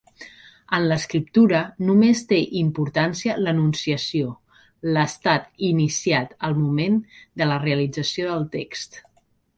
En l'escriptura només té importància l'enunciació, l'estat iniciat al moment de la realització del text.